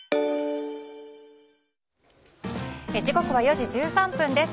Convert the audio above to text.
時刻は４時１３分です。